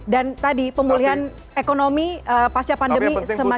dan tadi pemulihan ekonomi pasca pandemi semakin